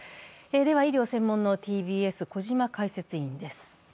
医療専門のＴＢＳ小嶋解説委員です。